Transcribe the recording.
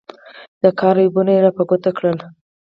د کار عیبونه یې را په ګوته کړل.